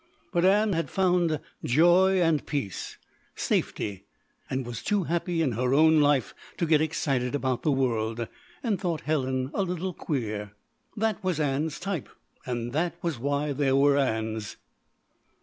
But Ann had found joy and peace safety and was too happy in her own life to get excited about the world and thought Helen a little queer! That was Ann's type and that was why there were Anns.